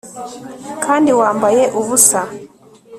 kandi wambaye ubusa